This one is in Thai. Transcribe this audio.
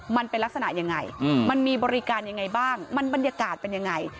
มันเป็นลักษณะยังไงมันมีบริการยังไงบ้างมันบรรยากาศเป็นยังไง